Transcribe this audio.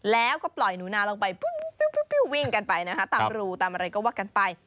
แล้วก็ปล่อยหนูนาลงไปวิ่งกันไปนะคะตามรูตามอะไรก็ว่ากันไป